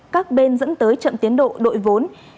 các bên dẫn tới chậm tiến độ đội vốn